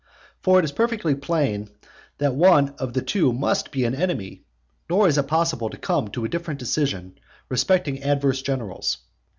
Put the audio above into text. For it is perfectly plain that one of the two must be an enemy, nor is it possible to come to a different decision respecting adverse generals.